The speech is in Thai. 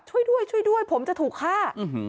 ช่วยด้วยช่วยด้วยผมจะถูกฆ่า